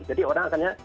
jadi orang akan ya